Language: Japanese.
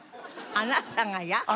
「あなたがや」？